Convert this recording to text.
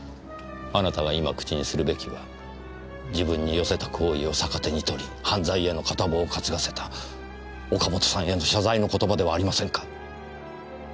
あなたが今口にするべきは自分に寄せた好意を逆手に取り犯罪への片棒を担がせた岡本さんへの謝罪の言葉ではありませんか？